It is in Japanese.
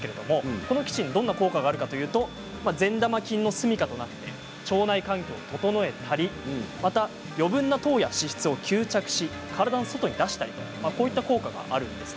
このキチン、どんな効果があるかというと善玉菌の住みかとなって腸内環境を整えたり余分な糖や脂質を吸着し体の外に出したりという効果があるんです。